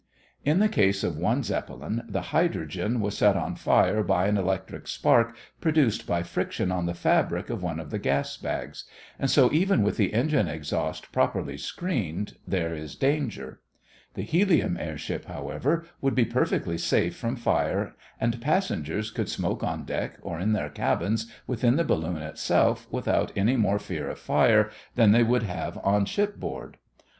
In the case of one Zeppelin, the hydrogen was set on fire by an electric spark produced by friction on the fabric of one of the gas bags, and so even with the engine exhausts properly screened there is danger. The helium airship, however, would be perfectly safe from fire and passengers could smoke on deck or in their cabins within the balloon itself without any more fear of fire than they would have on shipboard.